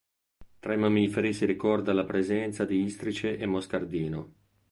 Tra i Mammiferi si ricorda la presenza di Istrice e Moscardino.